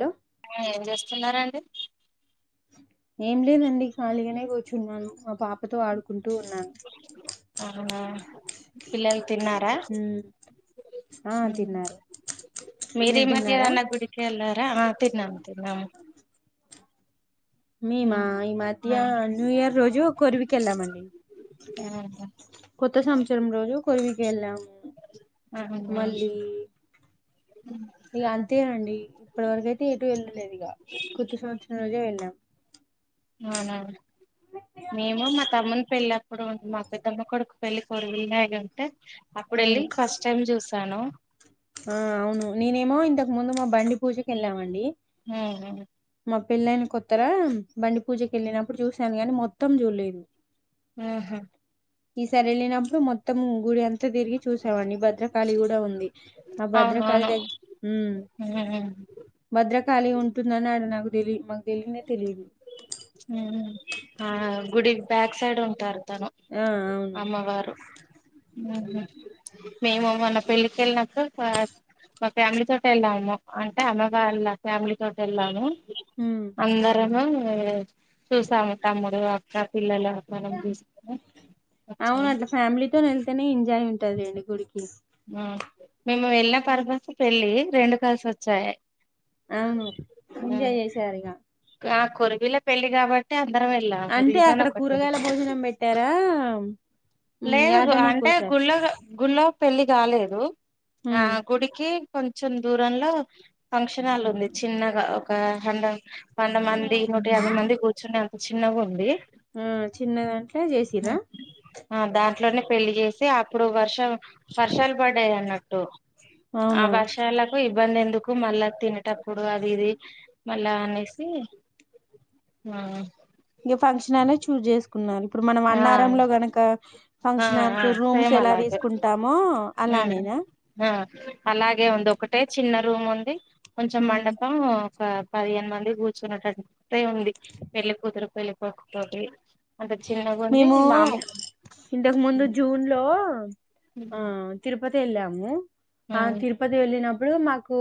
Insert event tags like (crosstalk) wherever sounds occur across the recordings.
Hello ఏం చేస్తున్నారండి ఏం లేదండి ఖాళీగానే కూర్చున్నాను మా పాపతో ఆడుకుంటూ ఉన్నాను పిల్లల్ తిన్నారా మ్మ్ ఆ తిన్నారు మీరి మీరు మధ్యా తిన్నారా ఏన్న గుడికి ఎల్లార ఆ తిన్నాం తిన్నాము మేమా ఈ మాత్య ఆ న్యూ ఇయర్ రోజు కొరివికెళ్ళామండి కొత్త సంవత్సరం రోజు కొరివికి ఎళ్ళాము అహ ఇగ అంతేనండి ఇప్పటి వరకయితే ఎటు వెళ్ళలేదు ఇగ, కొత్త సంవత్సరం రోజే వెళ్ళాం. అవునా మేము మా తమ్మని పెళ్ళప్పుడు ఉ మా పెద్దమ్మ కొడుకు పెళ్ళి ఫోర్ విల్నాయిగంటే అప్పుడెళ్ళి మ్మ్ ఫస్ట్ టైం చూసాను ఆ అవును నేనేమో ఇంతకు ముందు మా బండి పూజకు వెళ్ళామండి ఊహు మా పెళ్లయిన కొత్తల బండి పూజ కేళ్ళినప్పుడు చూసాను గానీ. మొత్తం చూలేదు. ఆహా ఈసారేలినప్పుడు మొత్తము గుడి అంత్ త తిరిగి చూసామండి. భద్రకాళి గూడా ఉంది. ఆ భద్రకాళి అవునవును దగ్గ్ ఉమ్ భద్రకాళి ఉంటుందననగు డిలీ మాకు తెలీనే తెలిదు. ఆ గుడిక్ బ్యాక్ సైడ్ ఉంటారు. తను ఆ అవును అమ్మవారు ఉహ్ హు మేము మొన్న పెళ్ళికెళ్ళినప్పుడూ చ మా ఫ్యామిలీ తోటె ఎళ్ళాము అంటే. అమ్మవాళ్ళ ఫ్యామిలీ తోటెళ్ళాను. ఉమ్ అందరము చూసాము. తమ్ముడు, అక్క, పిల్లలు. మనం చూసుకొని అవున వచ్చాము అట్లా ఫ్యామిలీ తోనెళ్తేనే ఎంజాయ్ ఉంటద్ లేండి. గుడిక్ అవున్ మేము వెళ్న పర్పస్ పెళ్ళి రెండు కలిసొచ్చాయి. అవును ఎంజాయ్ చేసారిగా. కొరిబిల్లే పెళ్లి గాబట్టి అంత్ అంటే అక్కడ కూరగాయల భోజనం బెట్టారా. లేదు అంటే గుళ్ళొ గుళ్ళొ పెళ్లి గాలేదు. ఆ ఉమ్ గుడికి కొంచెం దూరంలో ఫంక్షనాలు ఉంది. చిన్నగా ఒక హండామ్ వంద మంది, నూట యాభై మంది, కూర్చునే అంత చిన్నగుంది. ఆ చిన్న దాంట్లో చేసిరా ఉమ్ ఆ దాంట్లోనే పెళ్లి చేస్ టే అప్పుడు వర్షం వర్షాలు బడ్డాయన్నట్టు. ఆ అవునా వర్షాలకు ఇ బ్బందెందుకు మళ్ళా తినేటప్పుడు అది ఇది మళ్ళా అనేసి. ఆ ఇగ ఫంక్షనాలే చూజ్ చేసుకున్నారు. ఇప్పుడు మనం ఆ అన్నారంలో గనక ఆ ఫంక్షనల్స్, ఆ రూమ్స్ సేమ్ ఎలా అలాగే తీసుకుంటామో ఉమ్ అలానేనా? ఆ అలాగే ఉంది ఒకటే చిన్న రూమ్ ఉంది. కొంచెం ఉమ్ మండపం ఒక పదిహేను మంది కూర్చునేటట్టే ఉంది. పెళ్లికూతురు, పెళ్ళికొడుకు తోటి. అంత చిన్నగా ఉంది మేము మామూలు ఇంతకు ముందు జూన్ లో ఆ తిరుపతి ఎళ్ళాము. ఆ ఉమ్ తిరుపతి వెళ్ళినప్ ప్పుడు మాకు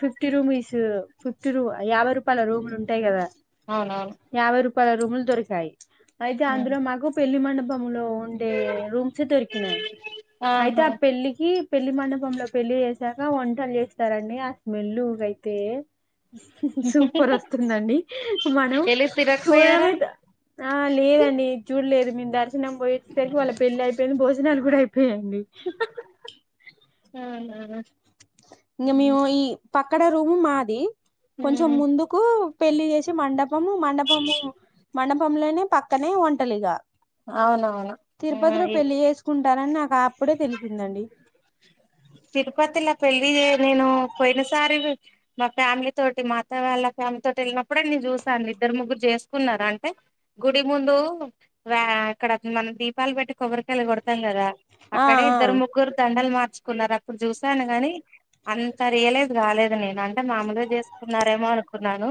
ఫిఫ్టీ రూమీస్, ఫిఫ్టీ రూ యాబై ర్ రూపాల రూములు ఉంటాయి గదా. అవునవును యాభై రూపాయల రూములు దొరికాయి. అయితే ఉమ్ అందులో మాకు పెళ్లి మండప్ పంలో ఉండే రూమ్సే దొరికినాయి. అయితే ఆహా ఆ పెళ్ళికి పెళ్లి మండపంలో పెళ్లిచేసాక, వంటలు చేస్తారండి. ఆ స్మెల్లుగయితే ఉహుహు సూపర్ వస్తుందండి. మనం ఎలిసి తిరగకపోయారా చూడడమెద ఆ లేదండి. చూడలేదు మేం దర్శనం బోయేచ్చెసరికి, వాళ్ళక్ పెళ్ళైపోయింది. భోజనాలు కూడా అయి పోయ్ అండి అవున ఇంగా మేము, ఈ పక్కడ రూము మాది, కొంచెం ముందుకు పెళ్లి చేసే మండపము, మండపము, మండపంలోనే పక్కనే వంటలిగా. అవునవును ఆ తిరుపతిలో ఈ పెళ్లి జేసుకుంటారని నాక్ ఆ అప్పుడే తెలిసిందండి. తిరుపతిలా పెళ్ళి జే నేను పోయినసారి. మా ఫ్యామిలీ తోటి, మా ఆత్తావాళ్ళ ఫా తమతోటెళ్లినప్పుడే నేను చూశాను ఇద్దరు, ముగ్గురు చేసుకున్నారా. అంటే గుడి ముందు, వా అక్కడ మనం దీపాలు పెట్టి, కొబ్బరికాయలు కొడతాం గదా. ఆ అక్కడే ఆ ఇద్దరు, ముగ్గురు దండల్ మార్ కున్నారు అప్పుడు చూసాను గాని. అంత రియలైజ్ గాలేదు నేను, అంటే మామలుగా చేసుకున్నారేమో అన్ కున్నాను.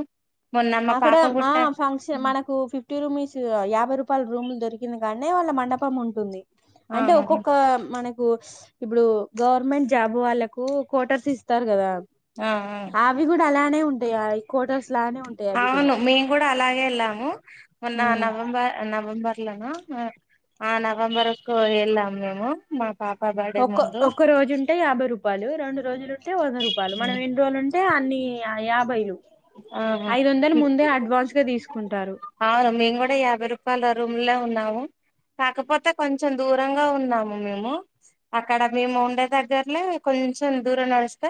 అక్కడ ఆ ఫంక్షన్ మనకు ఫిఫ్టీ రూమీస్ యాభై రూప్ పాళ్ళ్ రూములు దొరికింది గాని. వాళ్ళ మండపం ఉంటుంది. అంటే అవును ఒక్కొక్క మనక్ కూ ఇప్పుడు గవర్నమెంట్ జాబ్ వాళ్ళకు, కోటర్స్ ఇస్తారు గదా. ఆ ఆ అవీ గూడా అలానే ఉంటాయి. అవి కోటోర్సు లానే ఉంట్ అవును మేము గూడా అలాగే వెళ్ళాము మొన్న ఉమ్. నవంబర్ నవంబర్ లనా ఆ నవంబర్ కు ఏళ్ళాం మేము మా పాప బర్డే ఒక్క ముందు ఒక్క రోజు ఉంటే యాభై రూపాయలు రెండు రోజులుంటే వంద రూపాయలు మనం ఎన్ని రోజులు ఉంటే అన్ని అ యాభై యు ఆ ఐదు వందలు ముందే అడ్వాన్స్ తీసు అవును మేము కూడా యాభై రూపాయలు రూమ్ లోనే ఉన్నాము కాకపోతే కొంచెం దూరంగా ఉన్నాము మేము అక్కడ మేము ఉండే దగ్గర్లో కొంచెం దూరం నడిస్తే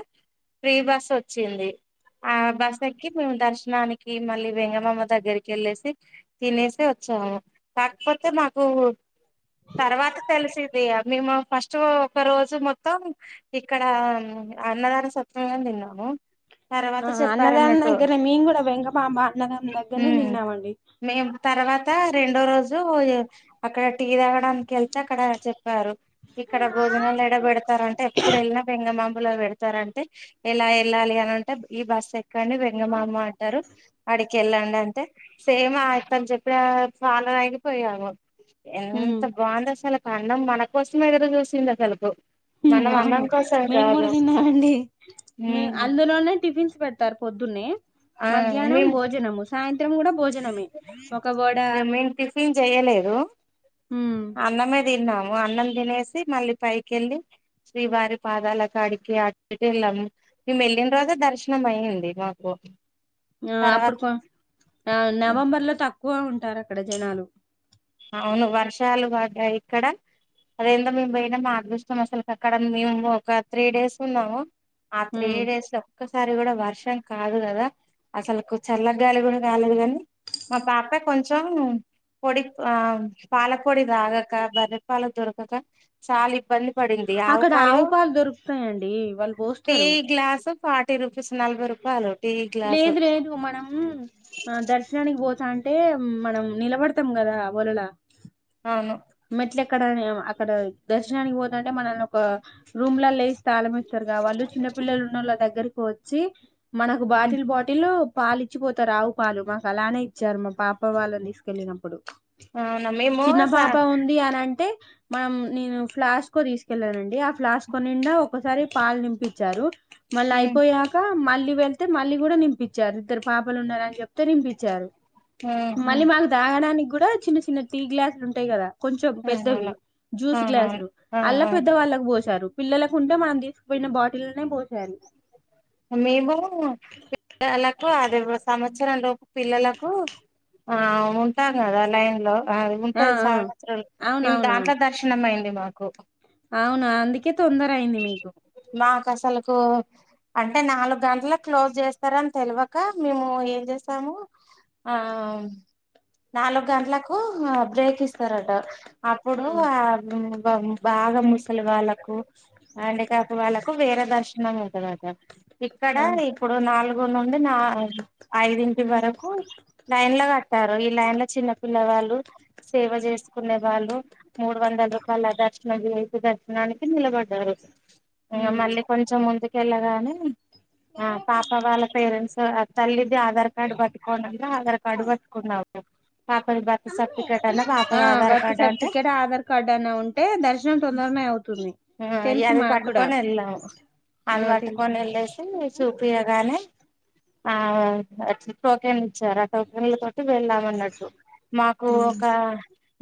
ఫ్రీ బస్ వచ్చింది ఆ బస్ తగ్గి మేము దర్శనానికి మళ్ళీ వెంగమమ్మ దగ్గరికి వెళ్ళేసి తినేసి వచ్చాము కాకపోతే మాకు తర్వాత తెలిసింది ఇగ మేము ఫస్ట్ ఒక రోజు మొత్తం ఇక్కడ అన్నదాన సత్వంలనే తిన్నాము తర్వాత ఆ చె అన్నదానం దగ్గర మేము కూడా వెంగమాంబ అన్నదానం దగ్గరనే ఉమ్ తిన్నామండి మేము తర్వాత రెండో రోజు అక్కడ టీ తాగ డానికి వెళ్తే అక్కడ చెప్పారు ఇక్కడ భోజనాలు ఏడ బెడతారు అంటే ఎప్పుడు వెళినా బంగమాంబ పెడతారంటే ఎలా వెళ్ళాలి అని అంటే ఈ బస్సు ఎక్కి కాని వెంగమామ అంటారు ఆడి కెళ్ళండి అంటే సేమ్ ఆయన చెప్పిన ఫాలో అయిగిపోయాము ఉమ్ ఎంత బాగుంది అసలు అండం మన కోసమే ఎదురు చూసింది అసలు ఉమ్ అవును మేము కూడా తిన్నామండి మేమ్ ఉమ్ అందులోనే టిఫిన్స్ పెడ్తారు పొద్దు నే ఆ మధ్యాహ్నం మేము భోజనము సాయంత్రం కూడా భోజనమే ఒక ఇగ మేమ్ టిఫిన్ చెయలేదు హ్మ్ అన్నమే తిన్నాము అన్నం తినేసి మళ్ళీ పైకెళ్ళి శ్రీవారి పాదాల కాడికి అటుటిళ్ళం ఈ వెళ్లిన రోజు దర్శనం అయ్యింది మాకు ఆ తర్వాత అప్పుడు ఆ నవంబర్ లో తక్కువ ఉంటారు అక్కడ జనాలు అవును వర్షాలు వడ్డాయి ఇక్కడ అదేందో మేము పోయినా ఆపేసినం అసలు అక్కడ మేము ఒక త్రీ డేస్ ఉన్నాము ఆ త్రీ హ్మ్ డేస్ లో ఒక్కసారి కూడా వర్ష ర్షం కాదు కదా అసలు చల్లగాయలి కూడా కాలేదు కానీ మా పాప కొంచెం పొడి ఆ పాల పొడి తాగాక బర్రె పాలు దొరకక చాలా ఇబ్బంది పడింది అక్కడ ఆవుపాలు ఆవు పాలు దొరుకుతాయండి వాళ్ళు టీ పోస్తారు గ్లాసు ఫార్టీ రూపీస్ నలబై రూపాయలు టీ గ్లాసు లేదు లేదు మనం ఆ దర్శనానికి పోతా అంట అంటే మనం నిలబడతాం కదా వలలా అవును ఇక్కడ అక్కడ దర్శనానికి పోతంటే మనల్ని ఒక రూమ్ లేల్ల వేసి తాళం రు కా వాళ్ళు చిన్నపిల్లలు ఉన్న వోళ్ళ దగ్గరకి వచ్చి మనకు బాటిల్ బాటిల్ పాలు ఇచ్చిపోతరు పాలు మాకు అలానే ఇచ్చారు మా పాప వాళ్ళని తీసుకెళ్ళినప్పుడు అవును మేము చిన్న స పాప ఉంది అని అంటే మనం నేను ఫ్లస్కో తీసుకెళ్లానండి ఆ ఫ్లాస్క్ నిండా ఒకసారి పాలు నింపించారు మళ్ళీ ఉమ్ అయిపోయాక మళ్ళీ వెళ్తే మళ్ళీ కూడా నింపించారు ఇద్దరు పాపలు ఉన్నారని చెప్పి ఉత్తరింపించారు ఉమ్ మళ్ళీ ఉమ్ మాకు తాగడానికి కూడా చిన్న చిన్న టీ గ్లాసులు ఉంటాయి కదా కొంచెం పెద్దవి అవునవును జ్యూస్ అవునవును గ్లాసులు ఆ అల్లా ఆ పెద్ద వాళ్ళకు పోసారు పిల్లలకు ఉంటే మనం తీసుకుపోయిన బాటిల్నే పోసేయాలి మేము పిల్లలకు అదే సంవత్సరం లోపు పిల్లలకు ఆ ఉంటాం కదా లైన్ లో ఆ ఉంటది ఆ సవత్సరాలు మేము దాంట్ల దర్శనం అయింది మాకు అవునా అందుకే తొందర అయింది మీకు మాకు అసలులకు అంటే నాలుగు గంటల క్లోజ్ చేస్తార అని తెలివక మేము ఏం చే సము ఆ నాలుగు గంటలకు బ్రేక్ ఇస్తారట అప్పుడు ఉమ్, ఆ బాగా ముసలి వాళ్ళకు హ్యాండీక్యాప్ వాళ్ళకు వేర దర్శనం ఉంటడత ఇక్కడ అవును ఇప్పుడు నాలుగు నుండి ఐదింటి వరకు లైన్ లో కట్టారు ఈ లైన్ లో చిన్న పిల్ల వాళ్ లు సేవ చేసుకునే వాళ్ళు మూడు వందలు రూపాయలు దర్శ విఐపి దర్శనానికి నిల పడారు ఇగ ఉమ్. మళ్ళీ కొంచం ముందుకు వెళ్ళగానే ఆ పాప వాళ్ళ పేరెంట్స్ తల్లి ది ఆధార్ కార్డ్ బాట్కొని ఆధార్ కార్డు బట్కున్నం రక్ సా ఆ బర్త్ సర్టిఫికెట్ ఆధార్ కార్డు అన్నా ఉంటే దర్శనం తొందరనే అవుతుంది ఆ తెలుసు అది మాకు కూడా పట్టుకొని వెళ్ళాము అది ఆ తెలుసు పట్టుకొని వెళ్ళేసి చుపియగానే ఆ (unintelligible) టోకెన్ ఇచ్చారా టోకెన్లు వెళ్ళాము అన్నట్టు మాకు ఉమ్. ఒక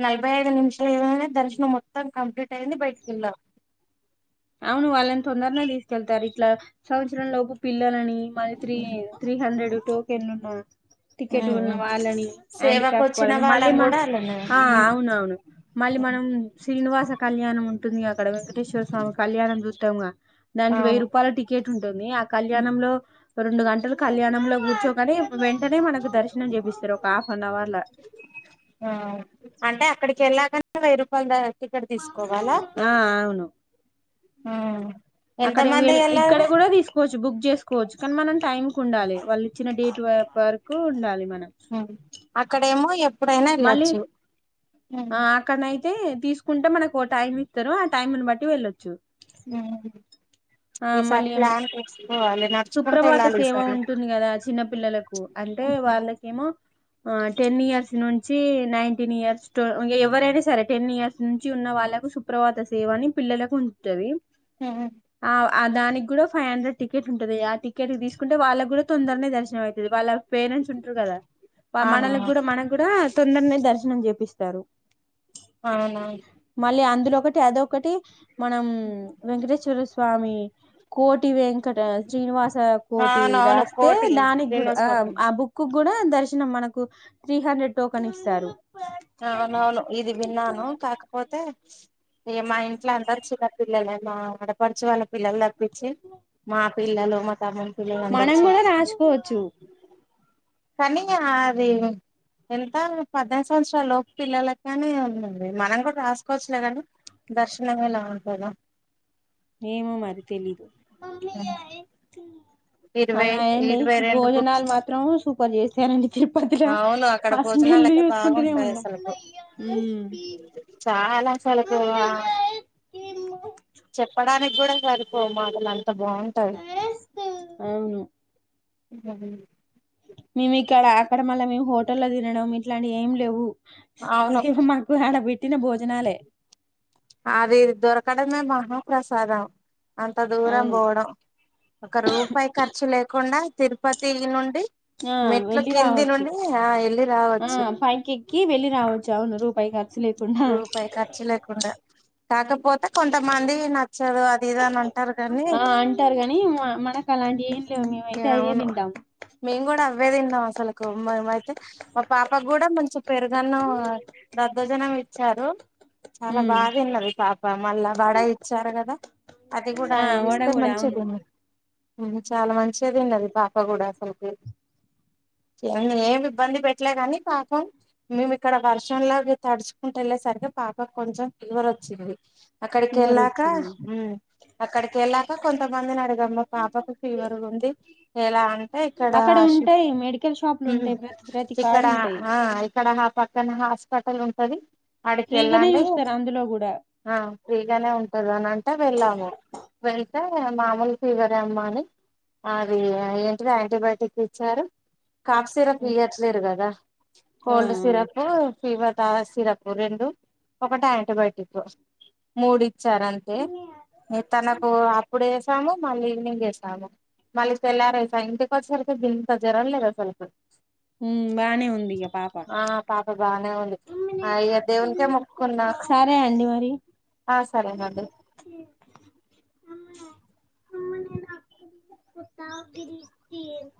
నలభై ఐదు నిమిషాలు ఏధైనా దర్శనం మొత్తం కంప్లీట్ అయింది బయటిక వెళ్ళాం అవును వాళ్ళని తొందరనే తీసుకెళ్తారు ఇట్లా సంవత్సరం లోపు పిల్లలని మా త్రీ త్రీ హండ్రెడ్ టోకన్లున్న టికెట్ ఉన్న వాళ్ళని సేవకు హ్యాండిక్యాప్ వచ్చిన వాళ్ళని మళ్ళీ వాళ్ళం మా కూడా అలానే ఆ అవును అవును మళ్ళీ మనం శ్రీనివాస కళ్యాణం ఉంటుంది అక్కడ వెంకటేశ్వర్ కళ్యాణం చూతంగా దానికి వెయ్యి అవును రూపాయల టికెట్ ఉంటుంది ఆ కళ్యాణంలో రెండు గంటలు కళ్యాణంలో కూచో కానీ వెంటనే మనకు దర్శనం చేపిస్తారు ఒక హాఫ్ నఅవర్లా ఆ అంటే అక్కడికి వెళ్ళాకనే వెయ్యి రూపాయలదా టికెట్ తీసుకోవాలా ఆ అవును ఆ అక్కడ వెళ్ ఇక్కడే కూడా తీసుకోవచ్చు బుక్ చేస్ కోవచ్చు కానీ మనం టైం కు ఉండాలి వాళ్ళు ఇచ్చిన డేట్ వరకు ఉండాలి మన్ హ్మ్ అక్కడేమో ఎప్పుడైనా మళ్ళీ వెళ్ళొచ్చు ఆ అక్కడనైతే తీసుకుంటే మనకు ఓ టైమ్ ఇతరు ఆ టైంని బట్టి వెళ్ళచ్చు హ్మ్ ఈసారి మళ్ళీ ప్లాన్ చెస్ సుప్రభాత సేవ ఉంటుంది కదా చిన్న పిల్లలకు అంటే వాళ్ళకేమో ఆ టెన్ ఇయర్స్ నుం చి నైన్టీన్ ఇయర్స్ ఎవరైనా సరే టెన్ ఇయర్స్ నుంచి ఉన్న వాళ్ళకు సుప్రభాత సేవ అని పిల్లలకు ఉంటది అ ఆ ఆ దానికి కూడా ఫైవ్ హండ్రెడ్ టికెట్ ఉంటది ఆ టికెట్ తీసుకుంటే వాళ్ళకి కూడా తొందరనే దర్శనం అయితది వాళ్ళ పేరెంట్స్ ఉంటరు కదా ఆ అవును మనలకూడా మనకు కూడా తొందరనే దర్శనం చేపిస్తారు అవునా మళ్ళీ అందులో ఒకటి అదొకటి మనం వెంకటేశ్వర స్వామి కోటి వెం కట శ్రీనివాస కోటి అవునవును రాస్తే కోటి దానికి కూడా శ్రీనివాస్ ఆ కోటి ఆ బుక్కు కూడా దర్శనం మనకు త్రీ హండ్రెడ్ టోకన్ ఇస్తారు అవునువును ఇది విన్నాను కాకపోతే ఏ మా ఇంట్లో అందరు చిన్న పిల్లలే మా ఆడపడచు వాళ్ళ పిల్లలు తప్పించి మా పిల్లలు మ మనం కూడా రాసుకోవచ్చు కానీ అది ఎంత పదాస్ సంవత్సరా లోపు పిల్లలగానే ఉందీంది మనం కూడా రాసుకోవచ్చులేగానీ దర్శనం ఎలా ఉంటేనా ఏమో మరి తెలీదు ఇరవై అలా యండి ఇరవై రెండు బుక్స్ భోజనాలు మాత్రం సూపర్ చేసారు అండి చిప్ పొద్దున అవును అక్కడ ఆ భోజనాలు స్మెల్ అయితే చూసుకుంటనే బాగుంటాయి ఉన్నా ఉ చాల చలుకు ఆ చెప్పడానికి కూడా సరిపోవు మాటలు అంత బాగుంటాది అవును ఉహు మేము ఇక్కడ అక్కడ మళ్ళా మేము హోటల్లో తినడం ఇట్లాంటి ఏం లేవు అవును సిహు మాకు ఆడ పెట్టిన భోజనాలే అది దొరకడమే మహాప్రసాదం అంత దూరం అవును పోవడం ఒక రూపాయి ఖర్చు లేకుండా తిరుపతి నుండి ఆ మెట్లు వెళ్ళి కింది రావచ్చు నుండి ఆ వెళ్ళి ఆ రావచ్చు పైకెక్కి వెళ్ళి రావచ్చు అవును రూపాయిక రూపాయి ఖర్చు లేకుండా కాకపోతే కొంతమంది నచ్చదు అది ఇది అని ఉంటారు కానీ నీ మ మనకు అలాంటి ఏం లేవు మేము అయితే అయ్యే తింటాం ఇవే తిన్నాం అసలకు మేమైతే మా పాప కూడా మంచి పెరుగన్నం దద్దోజనం ఇచ్చారు చాలా ఉమ్ బాగా తిన్నది పాప మళ్ళా వడ ఇచ్చారు కదా అది కూడా ఆ వడ ఇస్తే కూడా మంచిగా అవును తిని ఉ చాలా మన్ చిగా తిన్నది పాప కూడా అసలు కి ఏ ఏమి ఇబ్బంది పెట్టలే గాని పాపం మేము ఇక్కడ వర్షం లాగ తడుచుకుంట వెళ్ళే సరికే పాపకు కొంచెం ఫిల్వర్ వచ్చింది అక్కడికి ఫీవర్ వెళ్ళాక వచ్చింది ఉ అక్కడికెళ్ళాక కొంతమందిని అడిగాము మా పాపకు ఫీవర్ ఉన్ ఎలా అంటే ఇక్కడ అక్కడ షిప్ ఉంటాయి మెడికల్ షాపులు హుమ్ ఉంటాయి ప్రతి ప్రతి ఇక్కడ కాడు ఉంటాయి ఆ ఇక్కడ ఆ పక్కన హాస్పిటల్ ఉంటది ఫ్రీగానే ఆడికెళ్ళండి చూస్తారు అందులో కూడా ఆ ఫ్రీగానే ఉంటది అనంటే వెళ్ళాము వెల్ ళ్తే మామూలు ఫీవరే అమ్మ అని అది ఏంటిది యాంటీబయోటిక్ ఇచ్చారు కాఫ్ సిరప్ ఇయ్యట్లేరు కదా ఆ కోల్డ్ సిరప్ ఫీవర్ టా సిరప్ రెండు ఒకటి యాంటీబయోటిక్ మూడు ఇచ్చారు అంతే ఏ తనకు అప్పుడు వేసాము మళ్ళీ ఈవినింగ్ వేసాము మళ్ళీ తెళ్లారే స ఇంటికి వచ్చేసరికి గింత జరంలేదు అసలుకి బానే ఉంది ఇక పాప ఆ పాప బాగానే ఉంది ఆ ఇగ దేవునికే మొక్కుకున్నా సరే అండి మరి ఆ సరేనండి (inaudible)